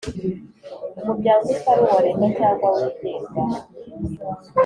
Umuryango utari uwa leta cyangwa wigenga